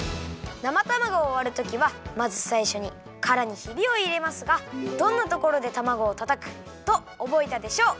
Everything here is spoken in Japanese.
「生たまごをわるときはまずさいしょにからにひびをいれますがどんなところでたまごをたたくとおぼえたでしょう？」。